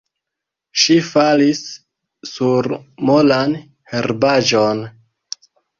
Ŝi falis sur molan herbaĵon.